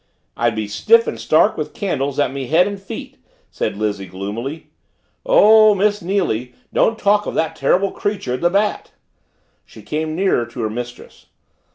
"I'd be stiff and stark with candles at me head and feet," said Lizzie gloomily. "Oh, Miss Neily, don't talk of that terrible creature, the Bat!" She came nearer to her mistress.